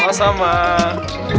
makasih ya mister